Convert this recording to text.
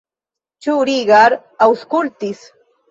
Ĉu Rigar aŭskultis?